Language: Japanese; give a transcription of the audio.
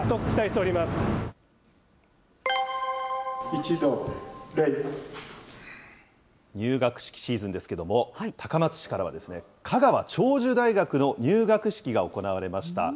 一同、入学式シーズンですけれども、高松市からは、かがわ長寿大学の入学式が行われました。